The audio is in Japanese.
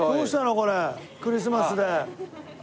これクリスマスで。